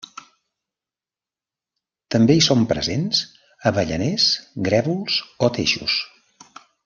També hi són presents avellaners, grèvols o teixos.